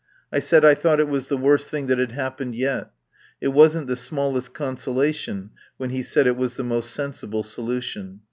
I said I thought it was the worst thing that had happened yet. It wasn't the smallest consolation when he said it was the most sensible solution.